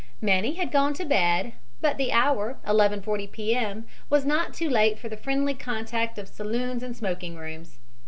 Many had gone to bed, but the hour, 11.40 P. M., was not too late for the friendly contact of saloons and smoking rooms.